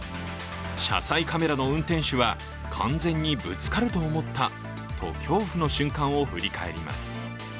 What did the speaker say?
車載カメラの運転手は完全にぶつかると思ったと恐怖の瞬間を振り返ります。